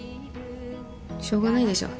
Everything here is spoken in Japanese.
しょうがないでしょ。